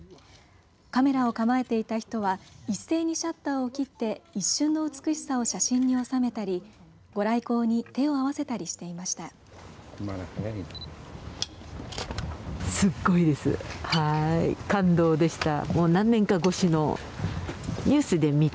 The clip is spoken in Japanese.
カメラを構えていた人は一斉にシャッターを切って一瞬の美しさを写真に収めたりご来光に手を合わせたりしていました。